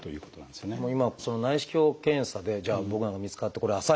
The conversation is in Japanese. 今その内視鏡検査でじゃあ僕なんかに見つかってこれ浅いと。